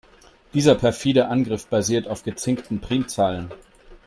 Dieser perfide Angriff basiert auf gezinkten Primzahlen.